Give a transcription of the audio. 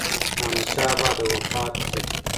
د احمد شاه بابا د وفات ذکر